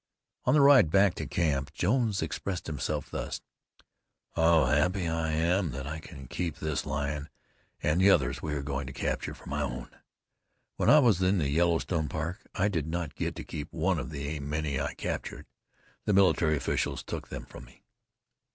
On the ride back to camp Jones expressed himself thus: "How happy I am that I can keep this lion and the others we are going to capture, for my own. When I was in the Yellowstone Park I did not get to keep one of the many I captured. The military officials took them from me."